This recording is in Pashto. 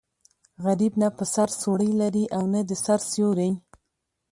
غریب نه په سر څوړی لري او نه د سر سیوری.